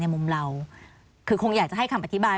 มุมเราคือคงอยากจะให้คำอธิบาย